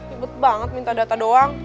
ikut banget minta data doang